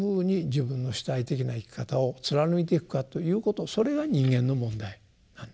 自分が主体的な生き方を貫いていくかということそれが人間の問題なんですね。